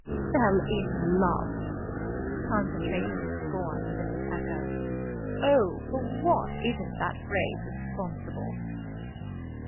"Fell in love!" Concentration of scorn was in this echo. "Oh, for what isn't that phrase responsible!"